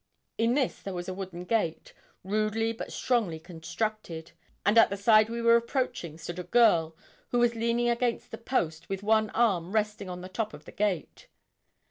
In this there was a wooden gate, rudely but strongly constructed, and at the side we were approaching stood a girl, who was leaning against the post, with one arm resting on the top of the gate.